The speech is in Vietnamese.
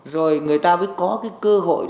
rồi người ta mới có cơ hội